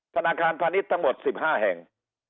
ธนาคารพาณิชย์ทั้งหมด๑๕แห่ง